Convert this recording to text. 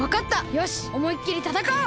よしおもいっきりたたかおう！